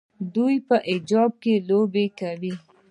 دوی په حجاب کې لوبې کوي.